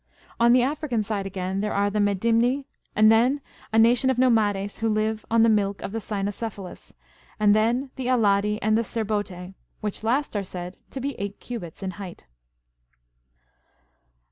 On the African side again there are the Medimni, and then a nation of j^omades, who live on the milk of the cynocephalus, and then the Aladi and the Syrbotse,^^ which last are said to be eight cubits in height.